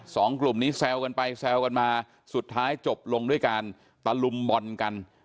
สองกลุ่มนี้แซวกันไปแซวกันมาสุดท้ายจบลงด้วยการตะลุมบอลกัน